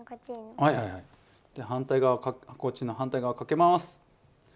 反対側こっちの反対側かけます。